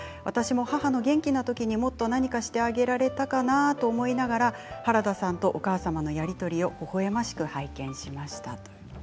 母がもっと元気な時に何かもっとしてあげられたかなと思いながら、原田さんとお母様のやり取りを、ほほえましく拝見しました。